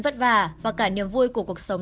vất vả và cả niềm vui của cuộc sống